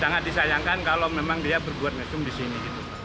sangat disayangkan kalau memang dia berbuat mesum di sini